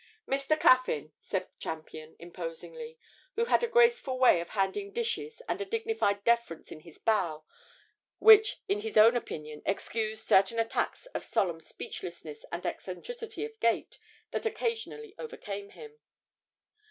'Mr. Caffyn,' said Champion, imposingly, who had a graceful way of handing dishes and a dignified deference in his bow which in his own opinion excused certain attacks of solemn speechlessness and eccentricity of gait that occasionally overcame him.